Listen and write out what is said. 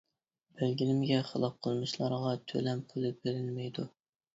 بەلگىلىمىگە خىلاپ قىلمىشلارغا تۆلەم پۇلى بېرىلمەيدۇ.